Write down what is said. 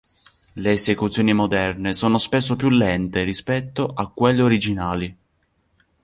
Le esecuzioni moderne sono spesso più lente rispetto a quelle originali.